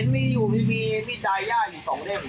มีดดายาอยู่สองเล่ม